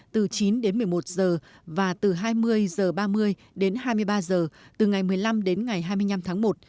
từ chín đến một mươi một giờ và từ hai mươi h ba mươi đến hai mươi ba h từ ngày một mươi năm đến ngày hai mươi năm tháng một